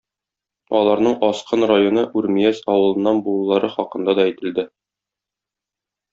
Аларның Аскын районы Үрмияз авылыннан булулары хакында да әйтелде.